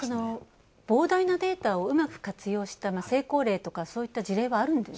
膨大なデータをうまく活用した成功例とか、そういった事例はあるんですか？